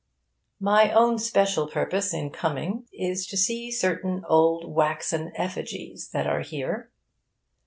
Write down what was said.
My own special purpose in coming is to see certain old waxen effigies that are here.